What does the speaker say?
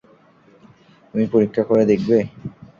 তুমি পরীক্ষা করে দেখবে?